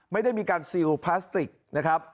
ไม่ได้มีการซิลพลาสติกนะครับ